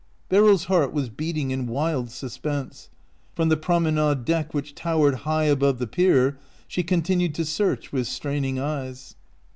Beryl's heart was beating in wild suspense. From the promenade deck which towered high above the pier she continued to search with straining eyes.